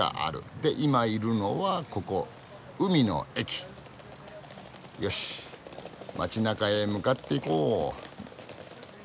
で今いるのはここ「海の駅」。よし街なかへ向かっていこう。